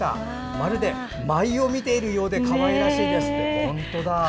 まるで舞を見ているようでかわいらしいですって。